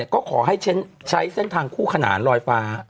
ก็ขอให้ใช้เส้นทางคู่ขนานลอยฟ้า